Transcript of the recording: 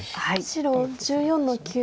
白１４の九。